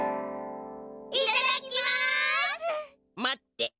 待って。